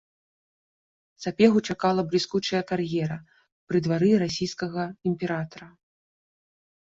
Сапегу чакала бліскучая кар'ера пры двары расійскага імператара.